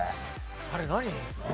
あれ何？